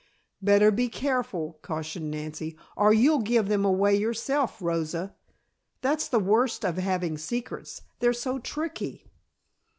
"Better be careful," cautioned Nancy, "or you'll give them away yourself, Rosa. That's the worst of having secrets; they're so tricky."